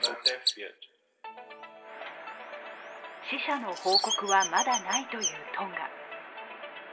死者の報告は、まだないというトンガ。